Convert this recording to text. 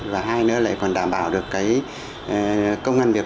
và hai nữa lại còn đảm bảo được cái công an việc